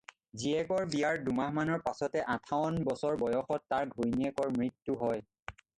জীয়েকৰ বিয়াৰ দুমাহমানৰ পাচতে আঠাৱন বছৰ বয়সত তাৰ ঘৈণীয়েকৰ মৃত্যু হয়।